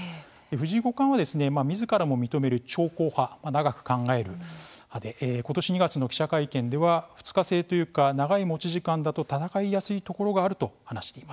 藤井五冠はみずからも認める長考派、長く考える派で今年２月の記者会見では２日制というか長い持ち時間だと戦いやすいところがあると話しています。